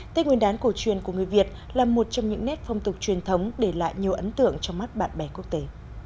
tết nguyên đán cổ truyền của người việt là một trong những nét phong tục truyền thống để lại nhiều ấn tượng trong mắt bạn bè quốc tế